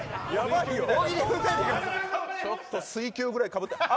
ちょっと水球ぐらいかぶってた。